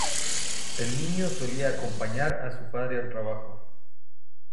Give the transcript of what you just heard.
El niño solía acompañar a su padre al trabajo.